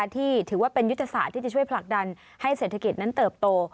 ที่ถือว่าเป็นยุทธศาสตร์ที่จะช่วยผลักดันให้เศรษฐกิจนั้นเติบโต